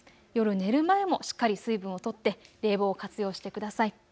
夜寝る前もしっかり水分をとって冷房を活用してください。